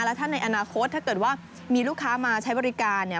แล้วถ้าในอนาคตถ้าเกิดว่ามีลูกค้ามาใช้บริการเนี่ย